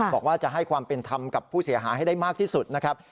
บอกว่าจะให้ความเป็นธรรมกับผู้เสียหายให้ได้มากที่สุดนะครับ